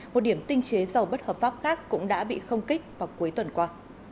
một điểm tinh chế dầu bất hợp pháp khác cũng đã bị không kích vào cuối tuần qua